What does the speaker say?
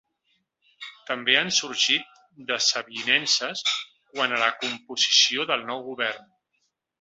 També han sorgit desavinences quant a la composició del nou govern.